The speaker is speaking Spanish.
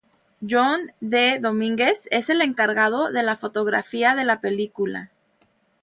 Jon D. Dominguez es el encargado de la fotografía de la película.